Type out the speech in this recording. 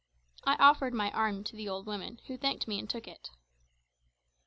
I offered my arm to the old woman, who thanked me and took it.